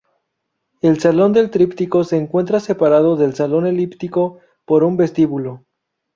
El Salón del Tríptico se encuentra separado del Salón Elíptico por un vestíbulo.